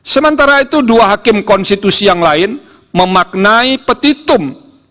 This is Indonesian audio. sementara itu dua hakim konstitusi yang lain memaknai petitum